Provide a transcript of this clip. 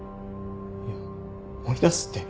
いや追い出すって。